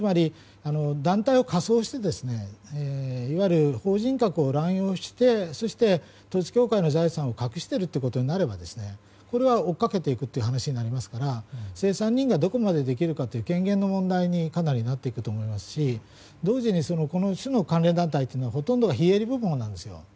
団体を偽装していわゆる法人格を乱用してそして統一教会の財産を隠していることになればこれは追いかけていく話になりますから清算人がどこまでできるか権限の問題になってくると思いますし同時にこの種の関連団体というのはほとんどが非営利部分なんですよ。